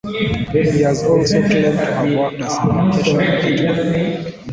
He has also claimed to have worked as an "occasional" hitman.